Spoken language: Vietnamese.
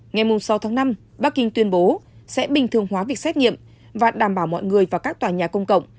ngày sáu tháng năm bắc kinh tuyên bố sẽ bình thường hóa việc xét nghiệm và đảm bảo mọi người vào các tòa nhà công cộng